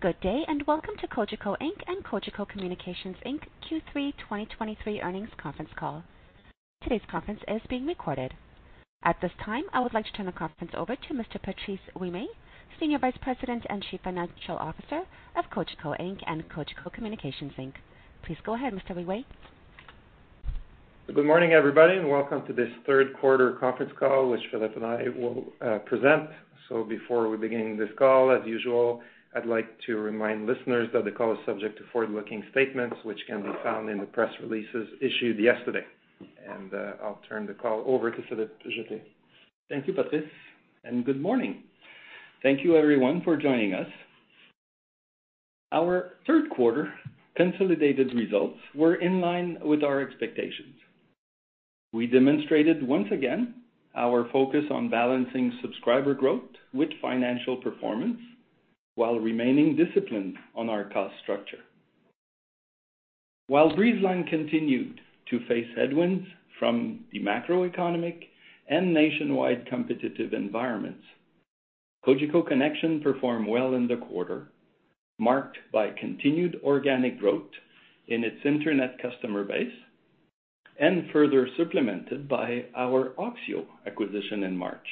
Good day, and welcome to Cogeco Inc. and Cogeco Communications Inc. Q3 2023 Earnings Conference Call. Today's conference is being recorded. At this time, I would like to turn the conference over to Mr. Patrice Ouimet, Senior Vice President and Chief Financial Officer of Cogeco Inc. and Cogeco Communications Inc. Please go ahead, Mr. Ouimet. Good morning, everybody, and welcome to this third quarter conference call, which Philippe and I will present. Before we begin this call, as usual, I'd like to remind listeners that the call is subject to forward-looking statements, which can be found in the press releases issued yesterday. I'll turn the call over to Philippe Jetté. Thank you, Patrice. Good morning. Thank you everyone for joining us. Our third quarter consolidated results were in line with our expectations. We demonstrated once again our focus on balancing subscriber growth with financial performance, while remaining disciplined on our cost structure. While Breezeline continued to face headwinds from the macroeconomic and nationwide competitive environments, Cogeco Connexion performed well in the quarter, marked by continued organic growth in its internet customer base and further supplemented by our Oxio acquisition in March.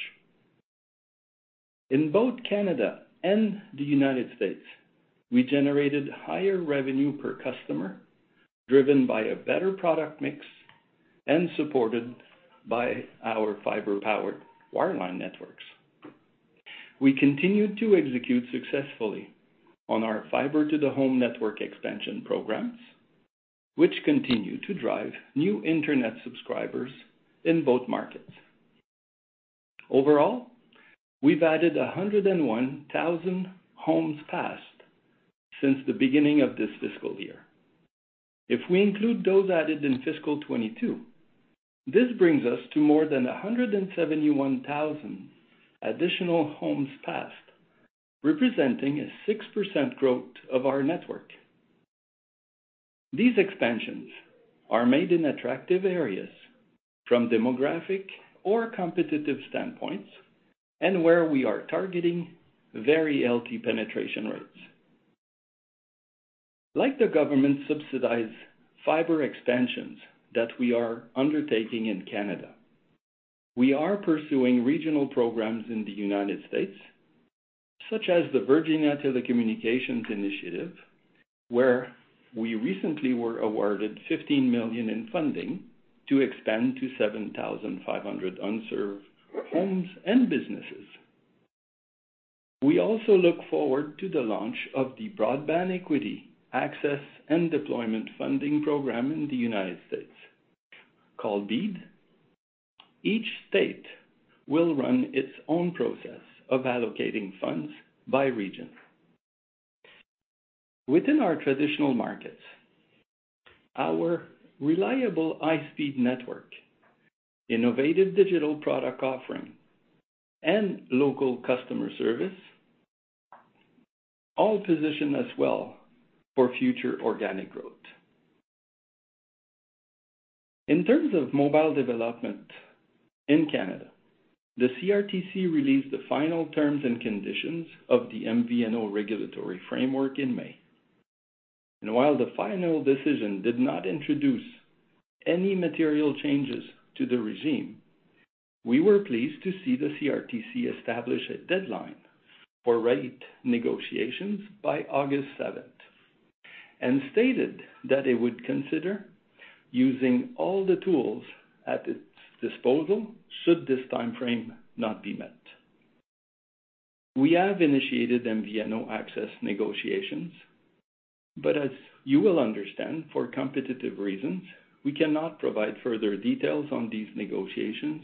In both Canada and the United States, we generated higher revenue per customer, driven by a better product mix and supported by our fiber-powered wireline networks. We continued to execute successfully on our fiber-to-the-home network expansion programs, which continue to drive new internet subscribers in both markets. Overall, we've added 101,000 homes passed since the beginning of this fiscal year. If we include those added in fiscal 2022, this brings us to more than 171,000 additional homes passed, representing a 6% growth of our network. These expansions are made in attractive areas from demographic or competitive standpoints, and where we are targeting very healthy penetration rates. Like the government-subsidized fiber expansions that we are undertaking in Canada, we are pursuing regional programs in the United States, such as the Virginia Telecommunication Initiative, where we recently were awarded $15 million in funding to expand to 7,500 unserved homes and businesses. We also look forward to the launch of the Broadband Equity, Access, and Deployment funding program in the United States, called BEAD. Each state will run its own process of allocating funds by region. Within our traditional markets, our reliable high-speed network, innovative digital product offering, and local customer service all position us well for future organic growth. In terms of mobile development in Canada, the CRTC released the final terms and conditions of the MVNO regulatory framework in May. While the final decision did not introduce any material changes to the regime, we were pleased to see the CRTC establish a deadline for rate negotiations by August seventh, and stated that it would consider using all the tools at its disposal should this time frame not be met. We have initiated MVNO access negotiations, but as you will understand, for competitive reasons, we cannot provide further details on these negotiations.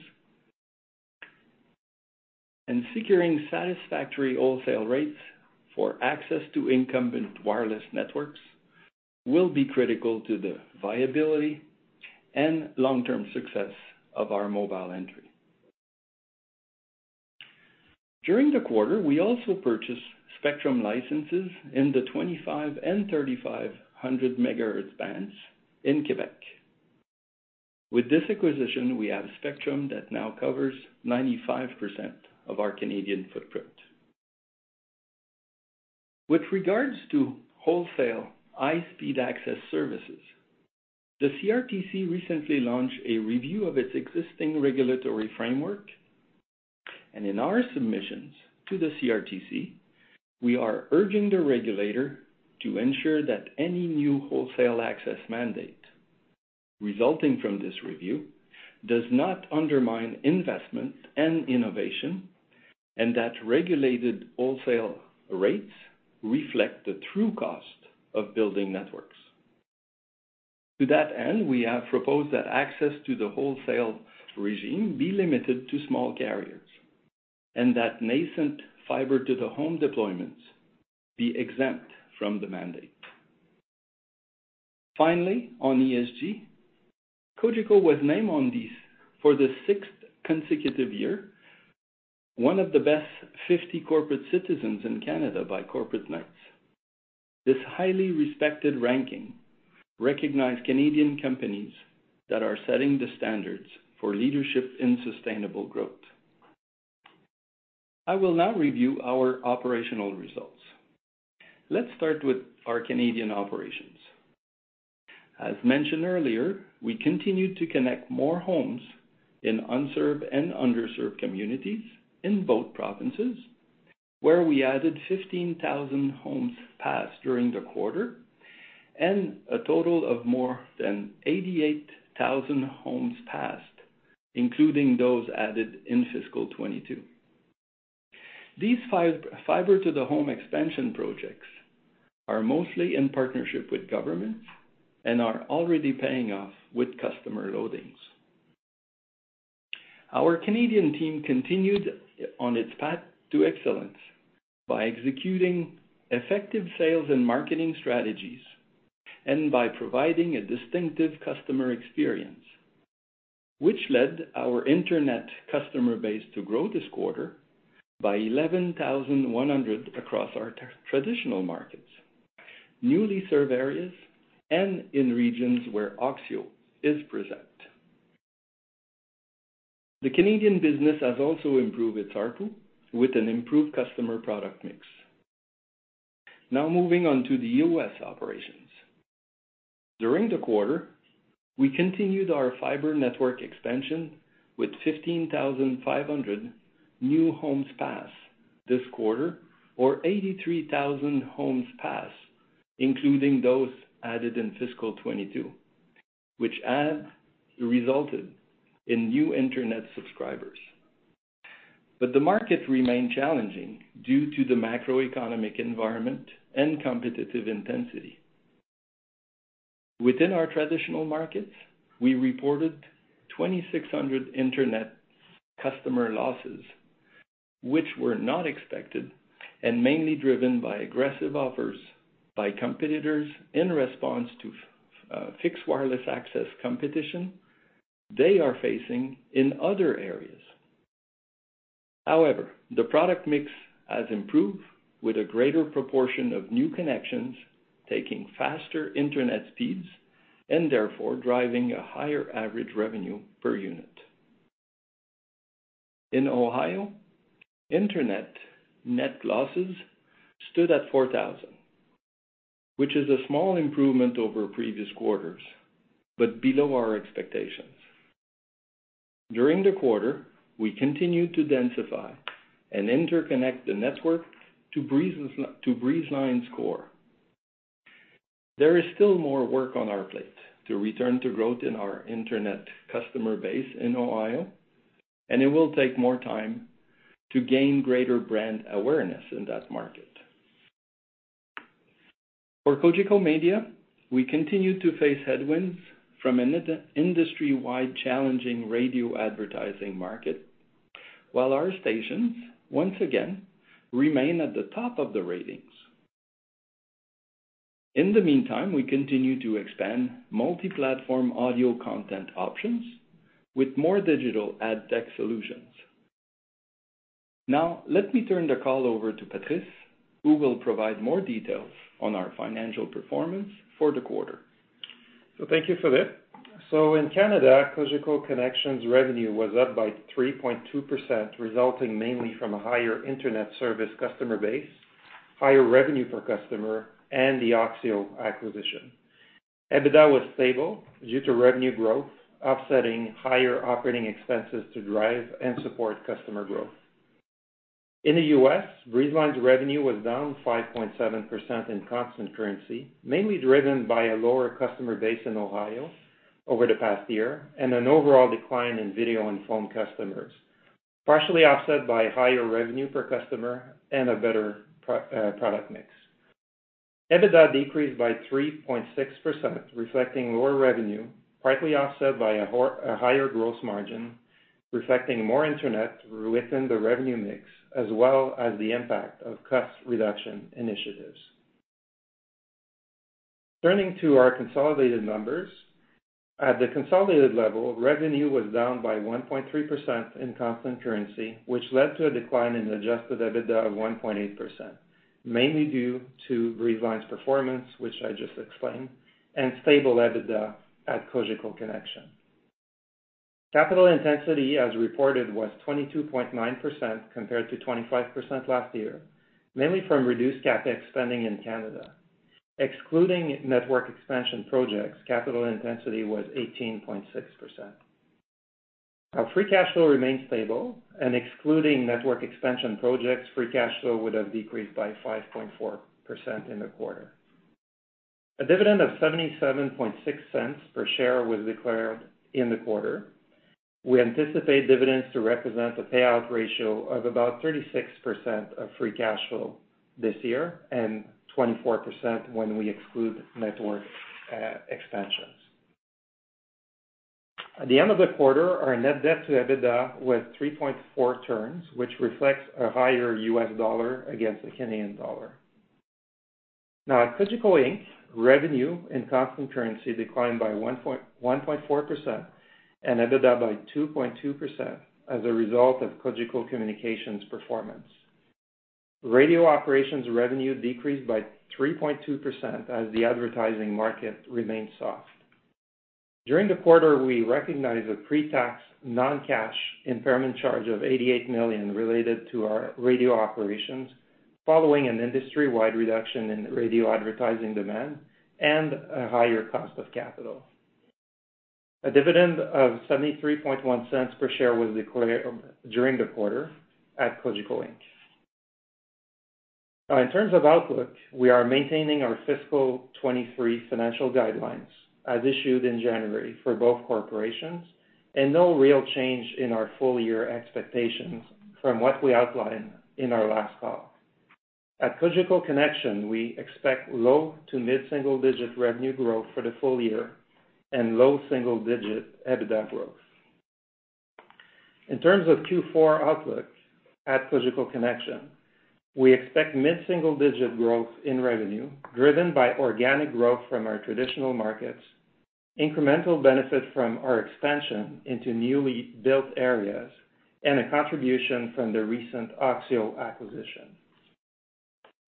Securing satisfactory wholesale rates for access to incumbent wireless networks will be critical to the viability and long-term success of our mobile entry. During the quarter, we also purchased spectrum licenses in the 2500 MHz and 3500 MHz bands in Quebec. With this acquisition, we have spectrum that now covers 95% of our Canadian footprint. With regards to wholesale high-speed access services, the CRTC recently launched a review of its existing regulatory framework. In our submissions to the CRTC, we are urging the regulator to ensure that any new wholesale access mandate resulting from this review does not undermine investment and innovation, and that regulated wholesale rates reflect the true cost of building networks. To that end, we have proposed that access to the wholesale regime be limited to small carriers and that nascent fiber-to-the-home deployments be exempt from the mandate. Finally, on ESG, Cogeco was named on these for the 6th consecutive year, one of the Best 50 Corporate Citizens in Canada by Corporate Knights. This highly respected ranking recognized Canadian companies that are setting the standards for leadership in sustainable growth. I will now review our operational results. Let's start with our Canadian operations. As mentioned earlier, we continued to connect more homes in unserved and underserved communities in both provinces, where we added 15,000 homes passed during the quarter, and a total of more than 88,000 homes passed, including those added in fiscal 2022. These fiber-to-the-home expansion projects are mostly in partnership with governments and are already paying off with customer loadings. Our Canadian team continued on its path to excellence by executing effective sales and marketing strategies and by providing a distinctive customer experience, which led our internet customer base to grow this quarter by 11,100 across our traditional markets, newly served areas, and in regions where Oxio is present. The Canadian business has also improved its ARPU with an improved customer product mix. Moving on to the U.S. operations. During the quarter, we continued our fiber network expansion with 15,500 new homes passed this quarter, or 83,000 homes passed, including those added in fiscal 2022, which have resulted in new internet subscribers. The market remained challenging due to the macroeconomic environment and competitive intensity. Within our traditional markets, we reported 2,600 internet customer losses, which were not expected and mainly driven by aggressive offers by competitors in response to fixed wireless access competition they are facing in other areas. The product mix has improved, with a greater proportion of new connections taking faster internet speeds and therefore driving a higher average revenue per unit. In Ohio, internet net losses stood at 4,000, which is a small improvement over previous quarters, but below our expectations. During the quarter, we continued to densify and interconnect the network to Breezeline's core. There is still more work on our plate to return to growth in our internet customer base in Ohio, and it will take more time to gain greater brand awareness in that market. For Cogeco Media, we continue to face headwinds from an industry-wide challenging radio advertising market, while our stations once again remain at the top of the ratings. In the meantime, we continue to expand multi-platform audio content options with more digital ad tech solutions. Now, let me turn the call over to Patrice, who will provide more details on our financial performance for the quarter. Thank you, Philippe. In Canada, Cogeco Connexion's revenue was up by 3.2%, resulting mainly from a higher internet service customer base, higher revenue per customer, and the Oxio acquisition. EBITDA was stable due to revenue growth, offsetting higher operating expenses to drive and support customer growth. In the U.S., Breezeline's revenue was down 5.7% in constant currency, mainly driven by a lower customer base in Ohio over the past year and an overall decline in video and phone customers, partially offset by higher revenue per customer and a better product mix. EBITDA decreased by 3.6%, reflecting lower revenue, partly offset by a higher gross margin, reflecting more internet within the revenue mix, as well as the impact of cost reduction initiatives. Turning to our consolidated numbers. At the consolidated level, revenue was down by 1.3% in constant currency, which led to a decline in adjusted EBITDA of 1.8%, mainly due to Breezeline's performance, which I just explained, and stable EBITDA at Cogeco Connexion. Capital intensity, as reported, was 22.9%, compared to 25% last year, mainly from reduced CapEx spending in Canada. Excluding network expansion projects, capital intensity was 18.6%. Our free cash flow remained stable, and excluding network expansion projects, free cash flow would have decreased by 5.4% in the quarter. A dividend of 0.776 per share was declared in the quarter. We anticipate dividends to represent a payout ratio of about 36% of free cash flow this year, and 24% when we exclude network expansions. At the end of the quarter, our net debt to EBITDA was 3.4 turns, which reflects a higher U.S. dollar against the Canadian dollar. At Cogeco Inc., revenue and constant currency declined by 1.4% and EBITDA by 2.2% as a result of Cogeco Communications' performance. Radio operations revenue decreased by 3.2% as the advertising market remained soft. During the quarter, we recognized a pre-tax, non-cash impairment charge of 88 million related to our radio operations, following an industry-wide reduction in radio advertising demand and a higher cost of capital. A dividend of 0.731 per share was declared during the quarter at Cogeco Inc. In terms of outlook, we are maintaining our fiscal 2023 financial guidelines as issued in January for both corporations, no real change in our full year expectations from what we outlined in our last call. At Cogeco Connexion, we expect low to mid-single-digit revenue growth for the full year and low single-digit EBITDA growth. In terms of Q4 outlook at Cogeco Connexion, we expect mid-single-digit growth in revenue, driven by organic growth from our traditional markets, incremental benefit from our expansion into newly built areas, and a contribution from the recent Oxio acquisition.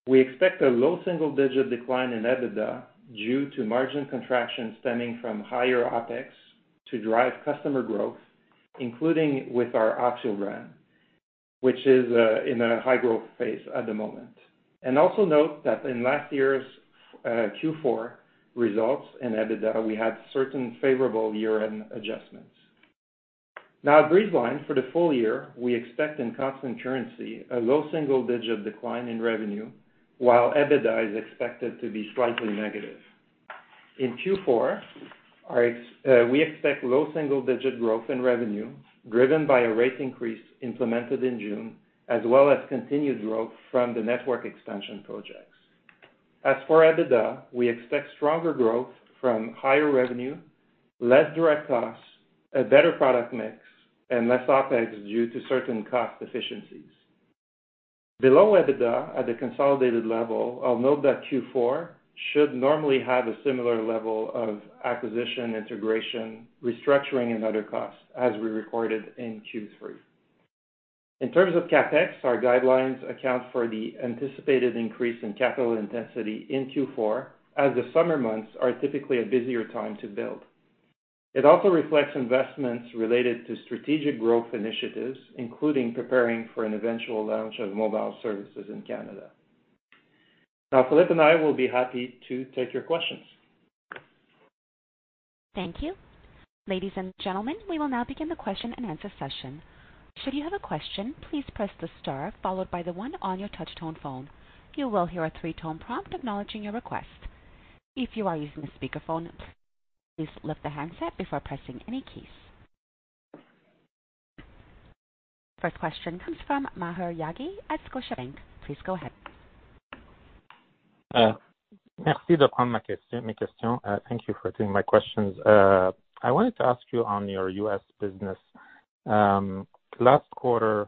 We expect a low single-digit decline in EBITDA due to margin contraction stemming from higher OpEx to drive customer growth, including with our Oxio brand, which is in a high-growth phase at the moment. Also note that in last year's Q4 results and EBITDA, we had certain favorable year-end adjustments. Now, at Breezeline, for the full year, we expect in constant currency, a low single-digit decline in revenue, while EBITDA is expected to be slightly negative. In Q4, we expect low single-digit growth in revenue, driven by a rate increase implemented in June, as well as continued growth from the network expansion projects. As for EBITDA, we expect stronger growth from higher revenue, less direct costs, a better product mix, and less OpEx due to certain cost efficiencies. Below EBITDA, at the consolidated level, I'll note that Q4 should normally have a similar level of acquisition, integration, restructuring, and other costs as we recorded in Q3. In terms of CapEx, our guidelines account for the anticipated increase in capital intensity in Q4, as the summer months are typically a busier time to build. It also reflects investments related to strategic growth initiatives, including preparing for an eventual launch of mobile services in Canada. Philippe and I will be happy to take your questions. Thank you. Ladies and gentlemen, we will now begin the question-and-answer session. Should you have a question, please press the star followed by the one on your touch tone phone. You will hear a three-tone prompt acknowledging your request. If you are using a speakerphone, please lift the handset before pressing any keys. First question comes from Maher Yaghi at Scotiabank. Please go ahead. Merci de prendre ma question. Thank you for taking my questions. I wanted to ask you on your U.S. business. Last quarter,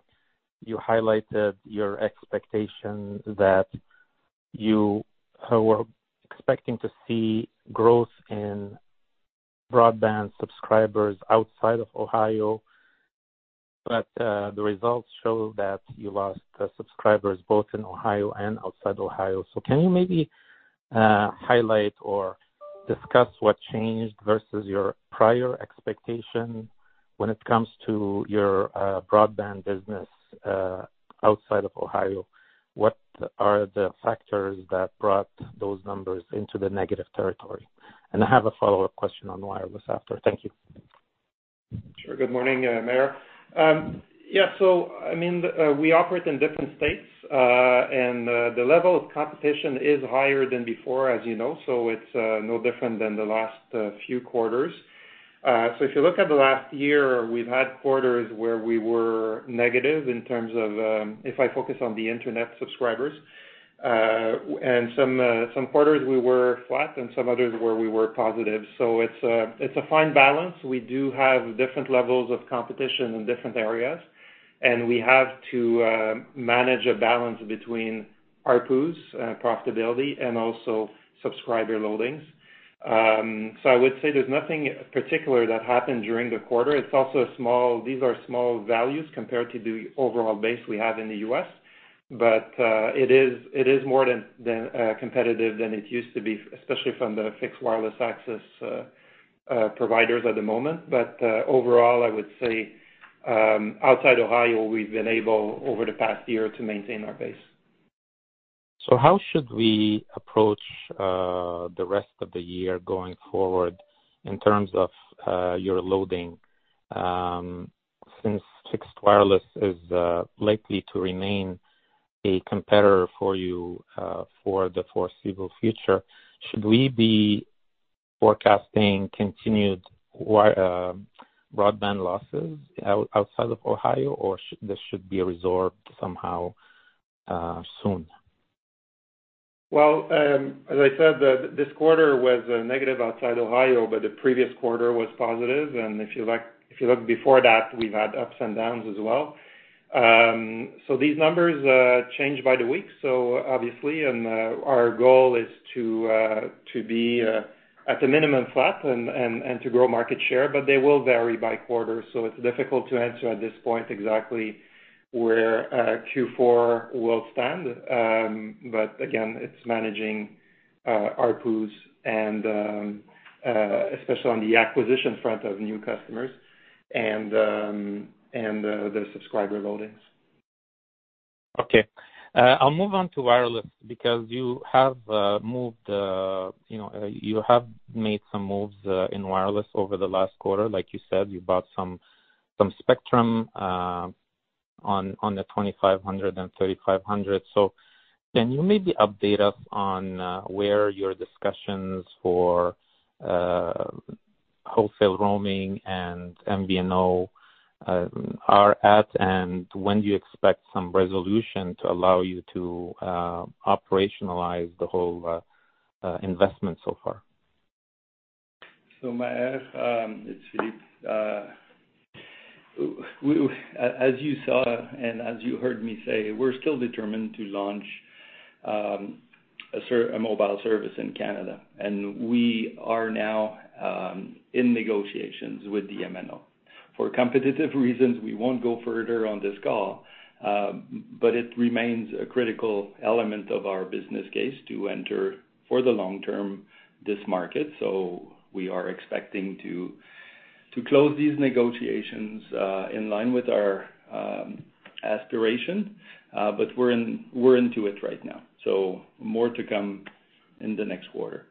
you highlighted your expectation that you were expecting to see growth in broadband subscribers outside of Ohio, the results show that you lost subscribers both in Ohio and outside Ohio. Can you maybe highlight or discuss what changed versus your prior expectation when it comes to your broadband business outside of Ohio? What are the factors that brought those numbers into the negative territory? I have a follow-up question on the wireless after. Thank you. Sure. Good morning, Maher. I mean, we operate in different states, and the level of competition is higher than before, as you know, so it's no different than the last few quarters. If you look at the last year, we've had quarters where we were negative in terms of... If I focus on the internet subscribers, and some quarters we were flat and some others where we were positive. It's a fine balance. We do have different levels of competition in different areas, and we have to manage a balance between ARPUs, profitability and also subscriber loadings. I would say there's nothing particular that happened during the quarter. It's also a small... These are small values compared to the overall base we have in the U.S., it is more than competitive than it used to be, especially from the fixed wireless access providers at the moment. Overall, I would say, outside Ohio, we've been able, over the past year, to maintain our base. How should we approach the rest of the year going forward in terms of your loading? Since fixed wireless is likely to remain a competitor for you for the foreseeable future, should we be forecasting continued broadband losses outside of Ohio, or this should be resolved somehow soon? Well, as I said, this quarter was negative outside Ohio, but the previous quarter was positive, and if you look before that, we've had ups and downs as well. These numbers change by the week, obviously, our goal is to be at the minimum flat and to grow market share, but they will vary by quarter, so it's difficult to answer at this point exactly where Q4 will stand. Again, it's managing. ARPUs and, especially on the acquisition front of new customers and, the subscriber loadings. Okay. I'll move on to wireless, because you have, you know, you have made some moves in wireless over the last quarter. Like you said, you bought some spectrum on the 2500 MHz and 3500 MHz. Can you maybe update us on where your discussions for wholesale roaming and MVNO are at, and when do you expect some resolution to allow you to operationalize the whole investment so far? Maher, it's Philippe. We, as you saw, and as you heard me say, we're still determined to launch a mobile service in Canada, and we are now in negotiations with the MNO. For competitive reasons, we won't go further on this call, but it remains a critical element of our business case to enter, for the long term, this market. We are expecting to close these negotiations in line with our aspiration, but we're into it right now. More to come in the next quarter.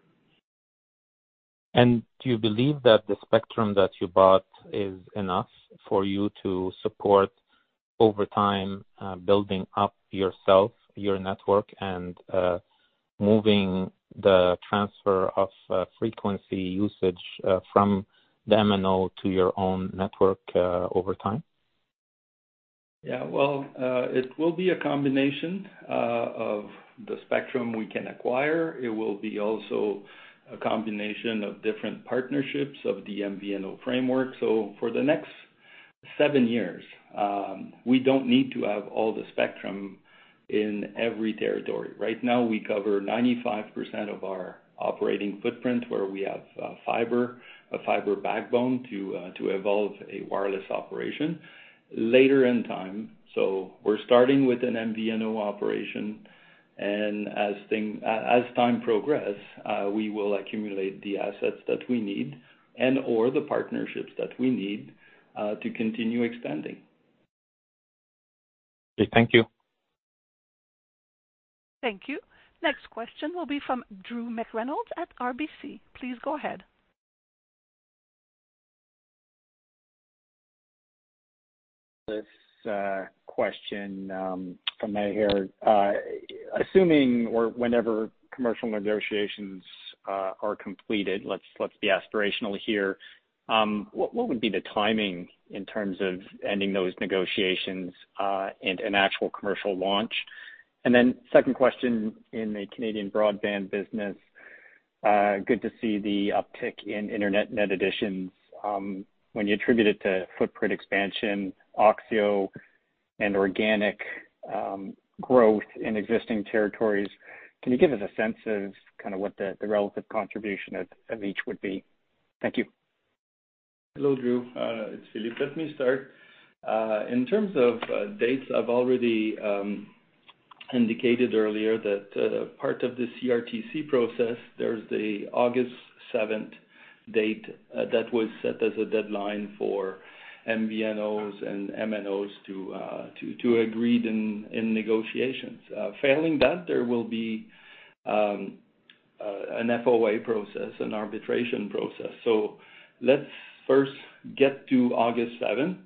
Do you believe that the spectrum that you bought is enough for you to support, over time, building up yourself, your network, and moving the transfer of frequency usage from the MNO to your own network, over time? Well, it will be a combination of the spectrum we can acquire. It will be also a combination of different partnerships of the MVNO framework. For the next seven years, we don't need to have all the spectrum in every territory. Right now, we cover 95% of our operating footprint, where we have fiber, a fiber backbone to evolve a wireless operation. Later in time, so we're starting with an MVNO operation, and as time progress, we will accumulate the assets that we need and/or the partnerships that we need to continue expanding. Okay. Thank you. Thank you. Next question will be from Drew McReynolds at RBC. Please go ahead. This question from Maher. Assuming or whenever commercial negotiations are completed, let's be aspirational here, what would be the timing in terms of ending those negotiations and an actual commercial launch? Second question, in the Canadian broadband business, good to see the uptick in internet net additions. When you attribute it to footprint expansion, Oxio, and organic growth in existing territories, can you give us a sense of kind of what the relative contribution of each would be? Thank you. Hello, Drew, it's Philippe. Let me start. In terms of dates, I've already indicated earlier that part of the CRTC process, there's the August seventh date that was set as a deadline for MVNOs and MNOs to agreed in negotiations. Failing that, there will be an FOA process, an arbitration process. Let's first get to August seventh.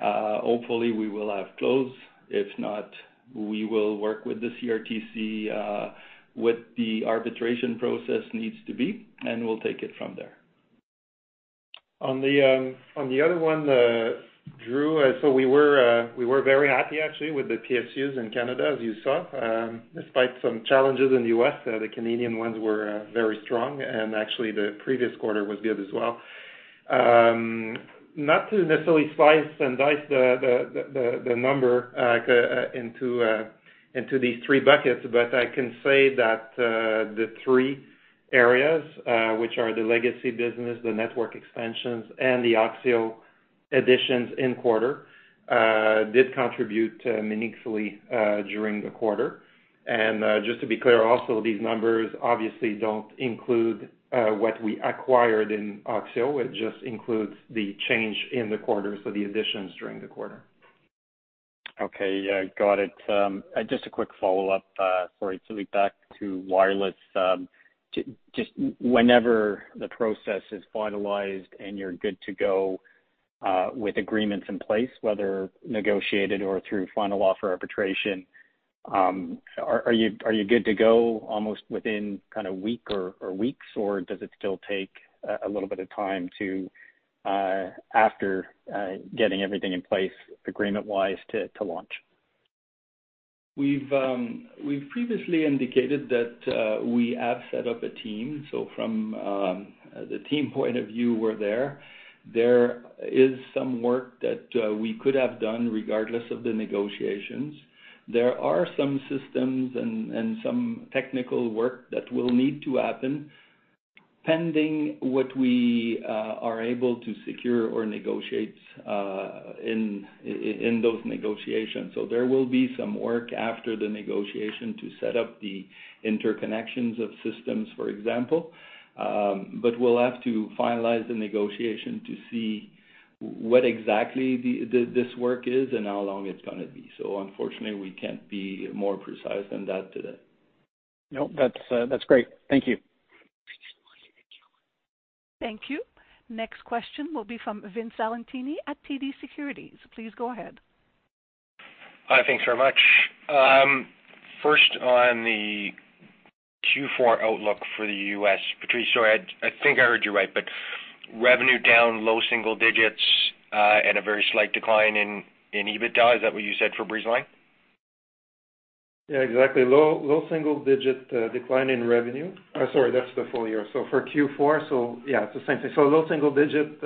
Hopefully, we will have closed. If not, we will work with the CRTC, what the arbitration process needs to be, and we'll take it from there. On the other one, Drew, we were very happy actually with the PSUs in Canada, as you saw. Despite some challenges in the U.S., the Canadian ones were very strong, and actually, the previous quarter was good as well. Not to necessarily slice and dice the number, into these three buckets, but I can say that the three areas, which are the legacy business, the network extensions, and the Oxio additions in quarter, did contribute meaningfully during the quarter. Just to be clear, also, these numbers obviously don't include what we acquired in Oxio. It just includes the change in the quarter, so the additions during the quarter. Okay. Yeah, got it. Just a quick follow-up, sorry, Philippe, back to wireless. Just whenever the process is finalized and you're good to go, with agreements in place, whether negotiated or through final offer arbitration, are you good to go almost within kind of week or weeks, or does it still take a little bit of time to after getting everything in place agreement-wise, to launch? We've previously indicated that we have set up a team. From the team point of view, we're there. There is some work that we could have done regardless of the negotiations. There are some systems and some technical work that will need to happen pending what we are able to secure or negotiate in those negotiations. There will be some work after the negotiation to set up the interconnections of systems, for example. But we'll have to finalize the negotiation to see what exactly this work is and how long it's gonna be. Unfortunately, we can't be more precise than that today. Nope, that's great. Thank you. Thank you. Next question will be from Vince Valentini at TD Securities. Please go ahead. Hi, thanks very much. First, on the Q4 outlook for the U.S., Patrice, sorry, I think I heard you right, but revenue down low single digits, and a very slight decline in EBITDA. Is that what you said for Breezeline? Yeah, exactly. Low single-digit decline in revenue. Sorry, that's the full year. For Q4, yeah, it's the same thing. Low single-digit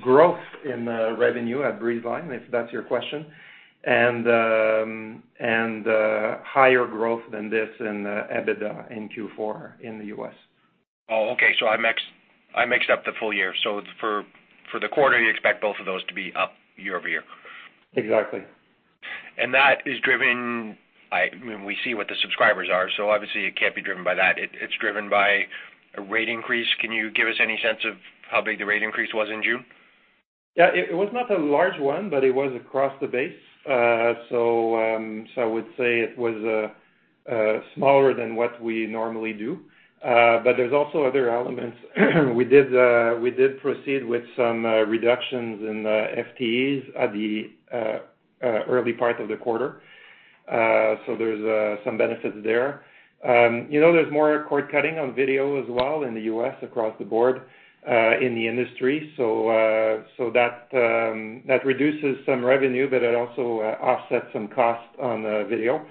growth in revenue at Breezeline, if that's your question, and higher growth than this in EBITDA in Q4 in the U.S. Oh, okay. I mixed up the full year. For the quarter, you expect both of those to be up year-over-year? Exactly. That is driven. I mean, we see what the subscribers are, so obviously it can't be driven by that. It's driven by a rate increase. Can you give us any sense of how big the rate increase was in June? Yeah, it was not a large one, but it was across the base. I would say it was smaller than what we normally do. There's also other elements. We did proceed with some reductions in FTEs at the early part of the quarter. There's some benefits there. You know, there's more cord-cutting on video as well in the U.S. across the board, in the industry. That reduces some revenue, but it also offsets some costs on video.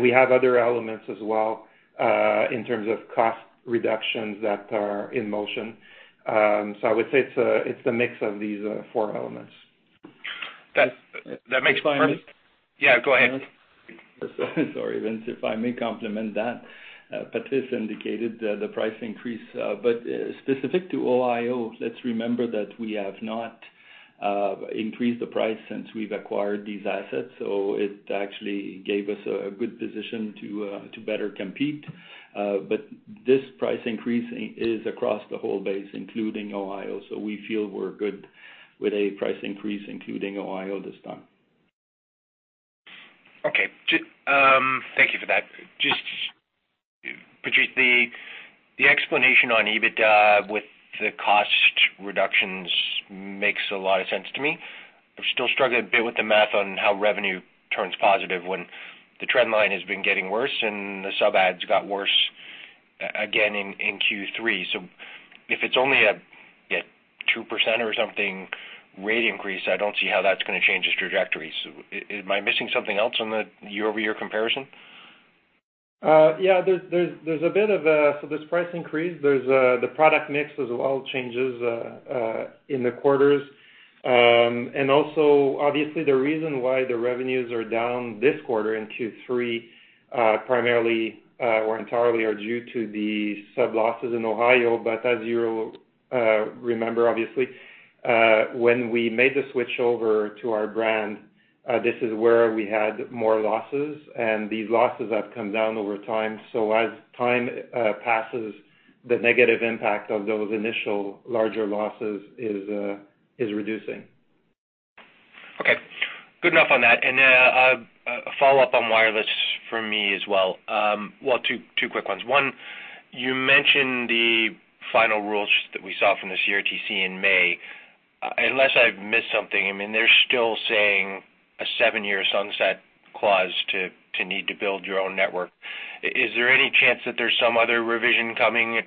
We have other elements as well, in terms of cost reductions that are in motion. I would say it's a mix of these four elements. That makes sense. If I may? Yeah, go ahead. Sorry, Vince, if I may complement that, Patrice indicated the price increase. Specific to Oxio, let's remember that we have not increased the price since we've acquired these assets, so it actually gave us a good position to better compete. This price increase is across the whole base, including Oxio, so we feel we're good with a price increase, including Oxio this time. Okay. Thank you for that. Just, Patrice, the explanation on EBITDA with the cost reductions makes a lot of sense to me. I'm still struggling a bit with the math on how revenue turns positive when the trend line has been getting worse and the sub adds got worse, again, in Q3. If it's only a 2% or something rate increase, I don't see how that's gonna change its trajectory. Am I missing something else on the year-over-year comparison? Yeah, there's a bit of a price increase, there's the product mix as well changes in the quarters. Also, obviously, the reason why the revenues are down this quarter in Q3, primarily or entirely, are due to the sub losses in Ohio. As you remember, obviously, when we made the switch over to our brand, this is where we had more losses, and these losses have come down over time. As time passes, the negative impact of those initial larger losses is reducing. Okay. Good enough on that. A follow-up on wireless for me as well. Well, two quick ones. One, you mentioned the final rules that we saw from the CRTC in May. Unless I've missed something, I mean, they're still saying a seven-year sunset clause to need to build your own network. Is there any chance that there's some other revision coming at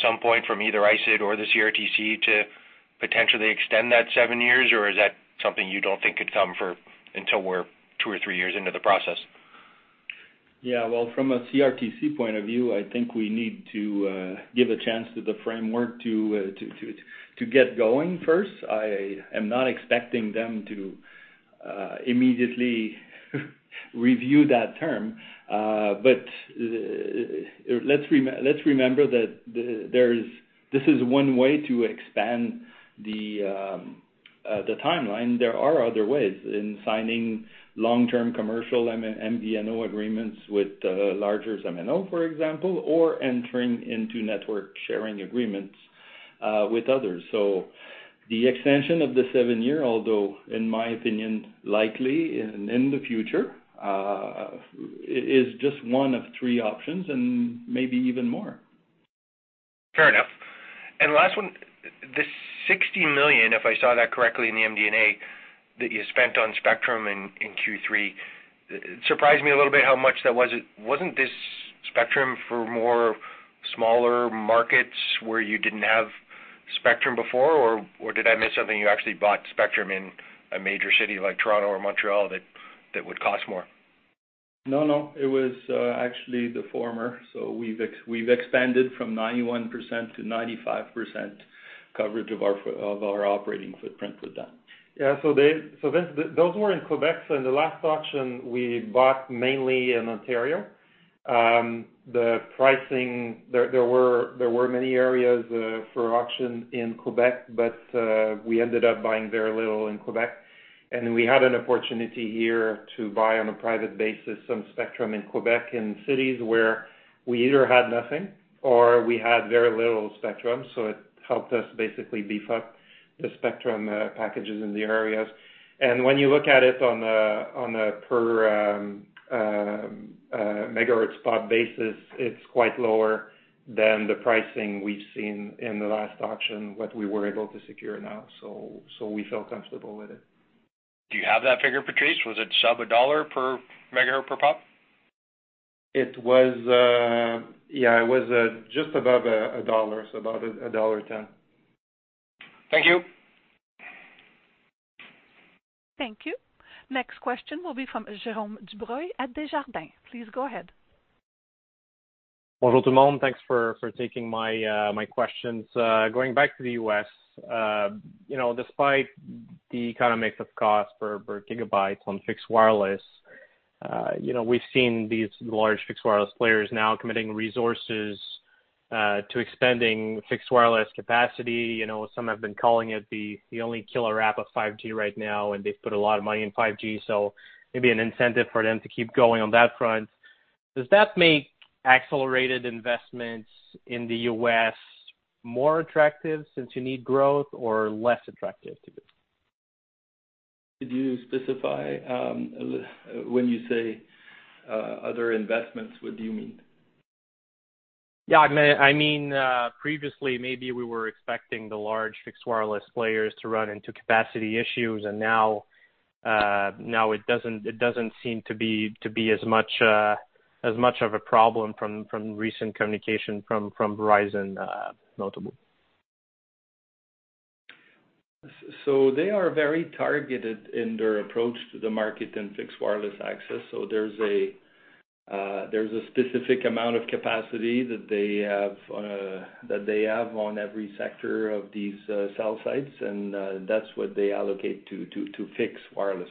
some point from either ISED or the CRTC to potentially extend that seven years? Or is that something you don't think could come for... until we're two or three years into the process? Well, from a CRTC point of view, I think we need to give a chance to the framework to get going first. I am not expecting them to immediately review that term. Let's remember that this is one way to expand the timeline. There are other ways in signing long-term commercial MDNO agreements with larger MNO, for example, or entering into network sharing agreements with others. The extension of the seven year, although, in my opinion, likely in the future, is just one of three options and maybe even more. Fair enough. Last one, the 60 million, if I saw that correctly in the MD&A, that you spent on spectrum in Q3, it surprised me a little bit how much that was. Wasn't this spectrum for more smaller markets where you didn't have spectrum before? Or did I miss something, you actually bought spectrum in a major city like Toronto or Montreal, that would cost more? No, no, it was actually the former. We've expanded from 91% to 95% coverage of our operating footprint with that. Yeah, so Vince, those were in Quebec, so in the last auction, we bought mainly in Ontario. The pricing, there were many areas for auction in Quebec, but we ended up buying very little in Quebec. We had an opportunity here to buy on a private basis, some spectrum in Quebec, in cities where we either had nothing or we had very little spectrum, so it helped us basically beef up the spectrum packages in the areas. When you look at it on a per MHz-POP basis, it's quite lower than the pricing we've seen in the last auction, what we were able to secure now. We felt comfortable with it. Do you have that figure, Patrice? Was it sub $1 per MHz per POP? Yeah, it was, just above CAD 1, so about dollar 1.10. Thank you. Thank you. Next question will be from Jérôme Dubreuil at Desjardins. Please go ahead. Bonjour, everyone. Thanks for taking my questions. Going back to the U.S., you know, despite the economy of cost per gigabytes on fixed wireless, you know, we've seen these large fixed wireless players now committing resources to expanding fixed wireless capacity. You know, some have been calling it the only killer app of 5G right now, they've put a lot of money in 5G, so maybe an incentive for them to keep going on that front. Does that make accelerated investments in the U.S. more attractive since you need growth or less attractive to do? Could you specify, when you say, other investments, what do you mean? I mean, previously, maybe we were expecting the large fixed wireless players to run into capacity issues, now it doesn't seem to be as much of a problem from recent communication from Verizon, multiple. They are very targeted in their approach to the market and fixed wireless access. There's a specific amount of capacity that they have that they have on every sector of these cell sites, and that's what they allocate to fix wireless.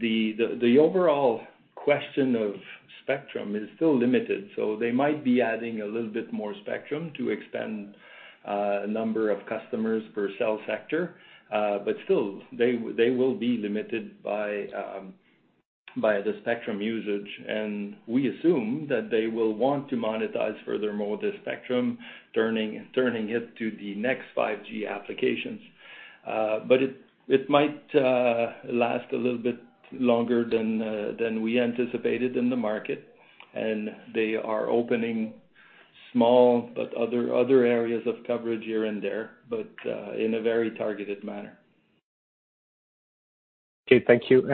The overall question of spectrum is still limited, so they might be adding a little bit more spectrum to extend number of customers per cell sector, but still, they will be limited by the spectrum usage. We assume that they will want to monetize furthermore, the spectrum, turning it to the next 5G applications. It might last a little bit longer than we anticipated in the market, and they are opening small, but other areas of coverage here and there, but in a very targeted manner. Okay, thank you.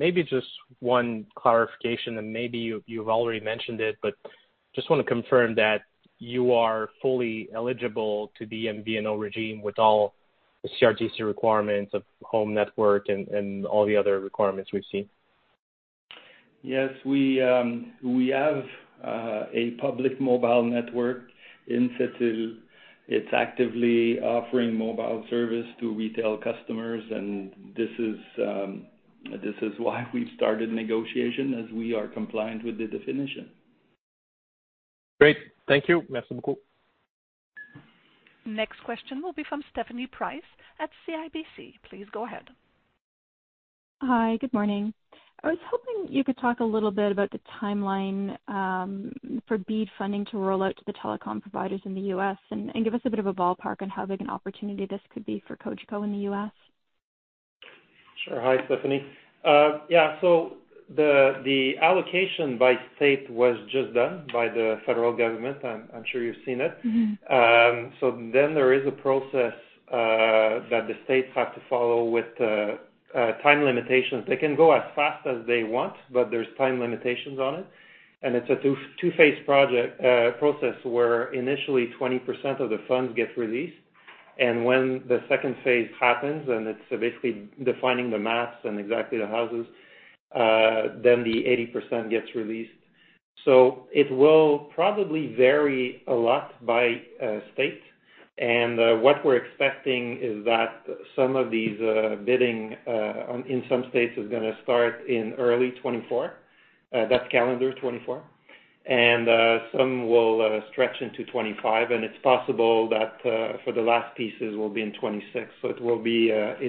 Maybe just one clarification, and maybe you've already mentioned it, but just wanna confirm that you are fully eligible to be in MVNO regime with all the CRTC requirements of home network and all the other requirements we've seen. Yes, we have a public mobile network in Satell. It's actively offering mobile service to retail customers. This is why we've started negotiation, as we are compliant with the definition. Great. Thank you. Merci beaucoup. Next question will be from Stephanie Price at CIBC. Please go ahead. Hi, good morning. I was hoping you could talk a little bit about the timeline for BEAD funding to roll out to the telecom providers in the U.S., and give us a bit of a ballpark on how big an opportunity this could be for Cogeco in the U.S.? Sure. Hi, Stephanie. Yeah, the allocation by state was just done by the federal government. I'm sure you've seen it. Mm-hmm. There is a process that the states have to follow with time limitations. They can go as fast as they want, but there's time limitations on it, and it's a two-phase project process, where initially 20% of the funds get released. When the second phase happens, and it's basically defining the maps and exactly the houses, the 80% gets released. It will probably vary a lot by state. What we're expecting is that some of these bidding on in some states, is gonna start in early 2024, that's calendar 2024. Some will stretch into 2025, and it's possible that for the last pieces will be in 2026. It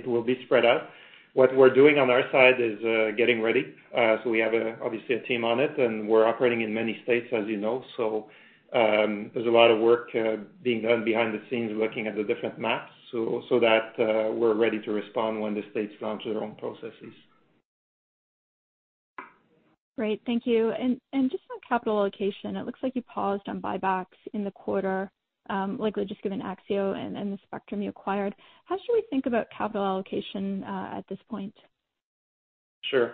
will be spread out. What we're doing on our side is getting ready. We have, obviously, a team on it, and we're operating in many states, as you know. There's a lot of work being done behind the scenes, looking at the different maps, so that we're ready to respond when the states launch their own processes. Great, thank you. Just on capital allocation, it looks like you paused on buybacks in the quarter, likely just given Oxio and the spectrum you acquired. How should we think about capital allocation at this point? Sure.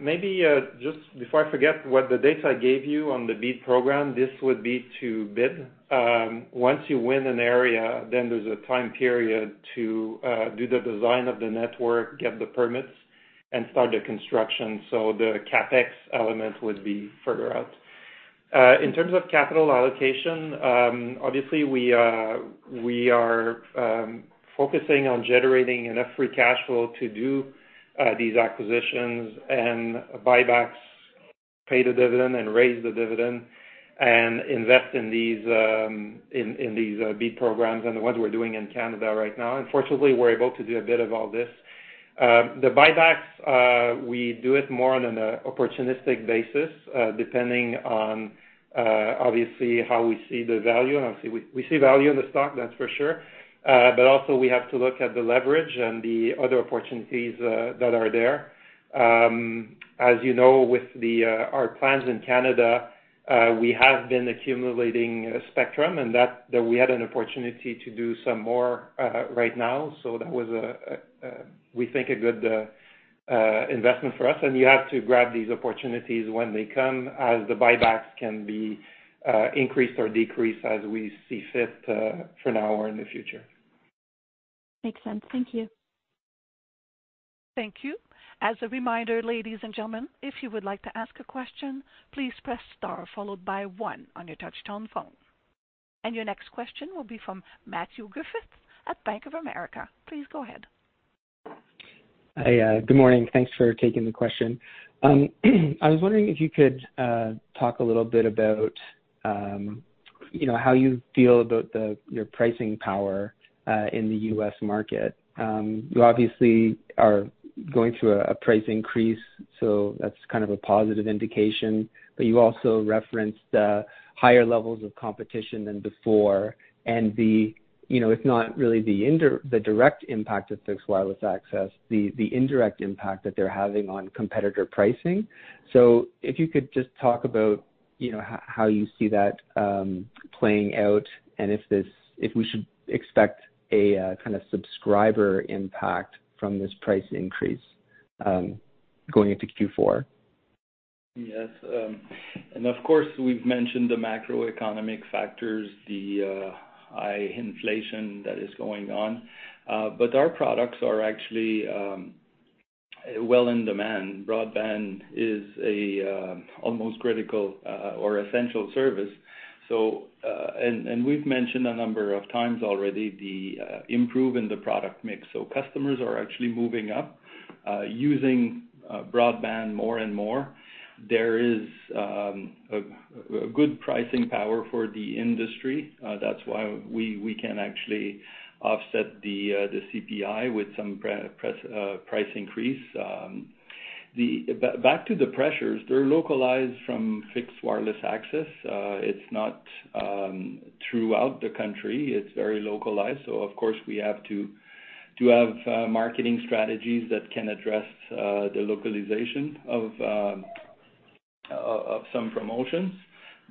Maybe just before I forget, what the dates I gave you on the BEAD program, this would be to bid. Once you win an area, then there's a time period to do the design of the network, get the permits, and start the construction, the CapEx element would be further out. in terms of capital allocation, obviously we are focusing on generating enough free cash flow to do these acquisitions and buybacks, pay the dividend, and raise the dividend, and invest in these BEAD programs and what we're doing in Canada right now. Fortunately, we're able to do a bit of all this. The buybacks, we do it more on an opportunistic basis, depending on obviously, how we see the value. Obviously, we see value in the stock, that's for sure. Also we have to look at the leverage and the other opportunities that are there. As you know, with our plans in Canada, we have been accumulating spectrum, and that we had an opportunity to do some more right now. That was a we think, a good investment for us. You have to grab these opportunities when they come, as the buybacks can be increased or decreased as we see fit, for now or in the future. Makes sense. Thank you. Thank you. As a reminder, ladies and gentlemen, if you would like to ask a question, please press star followed by 1 on your touchtone phone. Your next question will be from Matthew Griffith at Bank of America. Please go ahead. Hi, good morning. Thanks for taking the question. I was wondering if you could talk a little bit about, you know, how you feel about your pricing power in the U.S. market. You obviously are going through a price increase, so that's kind of a positive indication, but you also referenced higher levels of competition than before, and you know, if not really the direct impact of fixed wireless access, the indirect impact that they're having on competitor pricing. If you could just talk about, you know, how you see that playing out and if we should expect a kind of subscriber impact from this price increase going into Q4. Yes. Of course, we've mentioned the macroeconomic factors, the high inflation that is going on. Our products are actually well in demand. Broadband is a almost critical or essential service. We've mentioned a number of times already, the improve in the product mix. Customers are actually moving up, using Broadband more and more. There is a good pricing power for the industry. That's why we can actually offset the CPI with some press, price increase. Back to the pressures, they're localized from fixed wireless access. It's not throughout the country, it's very localized. Of course, we have to have marketing strategies that can address the localization of some promotions.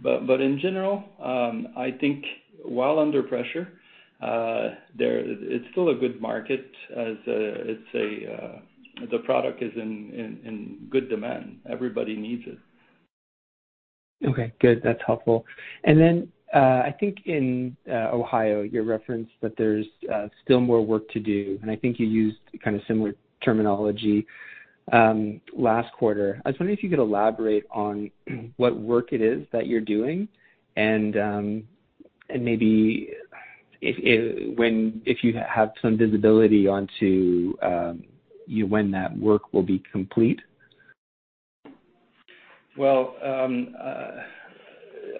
In general, I think while under pressure, it's still a good market as the product is in good demand. Everybody needs it. Okay, good. That's helpful. I think in Ohio, you referenced that there's still more work to do, and I think you used kind of similar terminology last quarter. I was wondering if you could elaborate on what work it is that you're doing and maybe if you have some visibility onto when that work will be complete?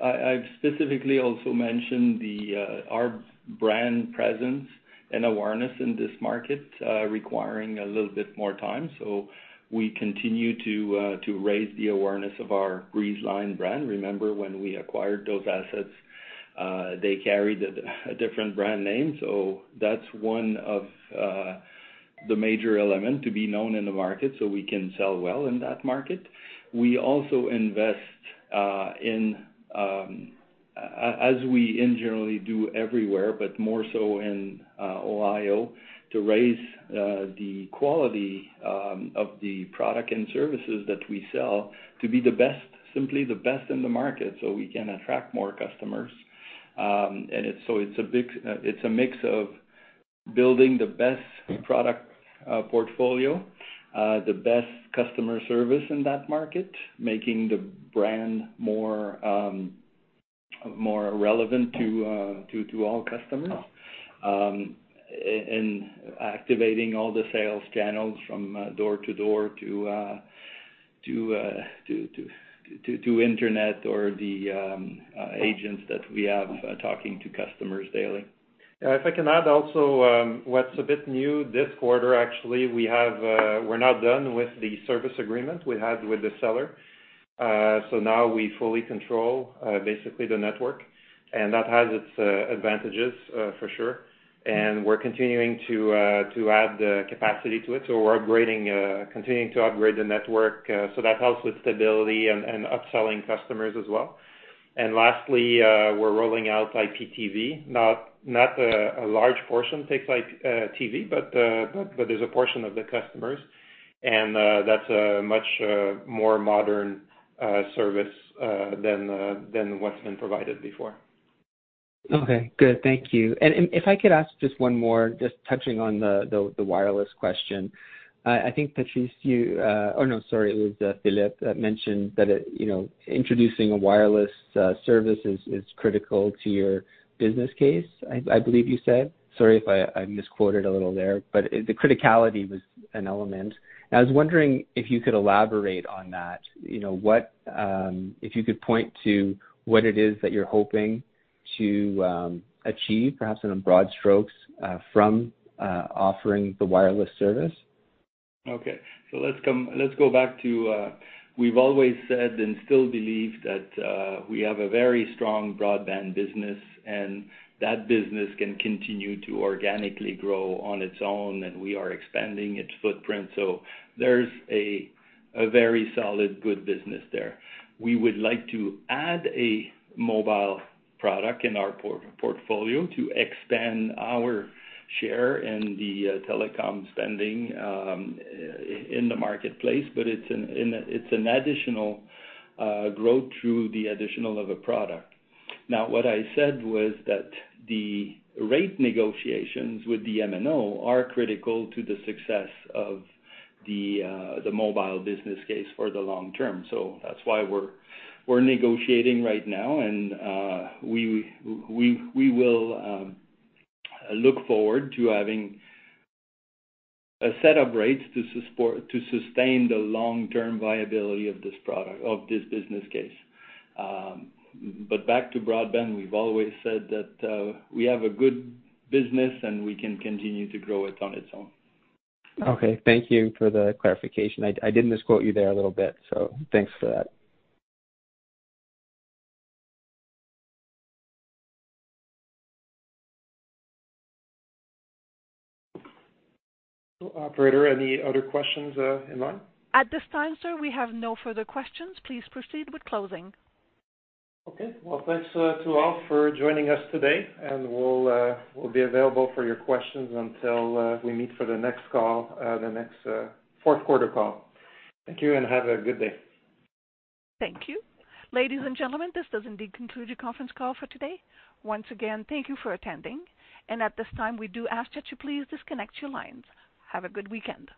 I've specifically also mentioned the our brand presence and awareness in this market, requiring a little bit more time. We continue to raise the awareness of our Breezeline brand. Remember, when we acquired those assets, they carried a different brand name, so that's one of the major element to be known in the market, so we can sell well in that market. We also invest in as we in generally do everywhere, but more so in Ohio, to raise the quality of the product and services that we sell, to be the best, simply the best in the market, so we can attract more customers. It's a mix of building the best product, portfolio, the best customer service in that market, making the brand more relevant to all customers. Activating all the sales channels from door to door to internet or the agents that we have talking to customers daily. If I can add also, what's a bit new this quarter, actually, we have, we're now done with the service agreement we had with the seller. Now we fully control basically the network, and that has its advantages for sure. We're continuing to add the capacity to it. We're upgrading, continuing to upgrade the network. That helps with stability and upselling customers as well. Lastly, we're rolling out IPTV. Not a large portion takes like TV, but there's a portion of the customers, and that's a much more modern service than what's been provided before. Okay, good. Thank you. If I could ask just one more, just touching on the wireless question. I think, Patrice, you... Oh, no, sorry, it was Philippe that mentioned that it, you know, introducing a wireless service is critical to your business case, I believe you said. Sorry if I misquoted a little there, but the criticality was an element. I was wondering if you could elaborate on that. You know, what, if you could point to what it is that you're hoping to achieve, perhaps in broad strokes, from offering the wireless service? Okay. Let's go back to we've always said and still believe that we have a very strong broadband business, and that business can continue to organically grow on its own, and we are expanding its footprint. There's a very solid, good business there. We would like to add a mobile product in our portfolio to expand our share in the telecom spending in the marketplace, but it's an additional growth through the addition of a product. What I said was that the rate negotiations with the MNO are critical to the success of the mobile business case for the long term. That's why we're negotiating right now, and we will look forward to having a set of rates to support, to sustain the long-term viability of this product, of this business case. Back to broadband, we've always said that we have a good business, and we can continue to grow it on its own. Okay, thank you for the clarification. I did misquote you there a little bit. Thanks for that. Operator, any other questions in line? At this time, sir, we have no further questions. Please proceed with closing. Okay. Well, thanks to all for joining us today, and we'll be available for your questions until we meet for the next call, the next fourth quarter call. Thank you. Have a good day. Thank you. Ladies and gentlemen, this does indeed conclude your conference call for today. Once again, thank you for attending, and at this time, we do ask that you please disconnect your lines. Have a good weekend.